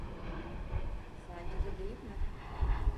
Sence de değil mi?